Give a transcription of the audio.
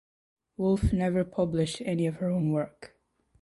Wolff never published any of her own work.